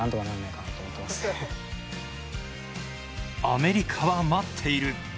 アメリカは待っている。